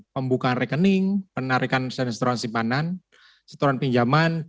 pembukaan rekening penarikan setoran simpanan setoran pinjaman